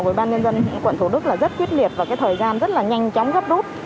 ủy ban nhân dân quận thủ đức là rất quyết liệt và cái thời gian rất là nhanh chóng gấp rút